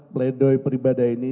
pledoi peribadai ini